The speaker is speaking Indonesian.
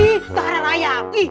ih keharan layak